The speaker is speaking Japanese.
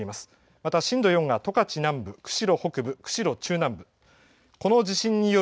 また震度４が十勝南部、釧路中南部。